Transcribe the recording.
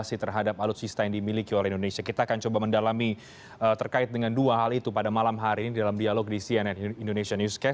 saya coba mendalami terkait dengan dua hal itu pada malam hari ini dalam dialog di cnn indonesia newscast